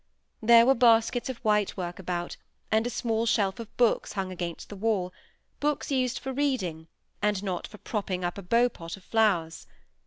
There were baskets of white work about, and a small shelf of books hung against the wall, books used for reading, and not for propping up a beau pot of flowers.